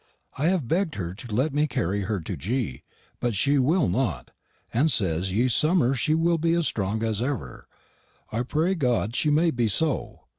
I hav begg'd her to lett me carry her to G., but she will not, and says in ye summerr she will be as strong as everr. I pray God she may be so.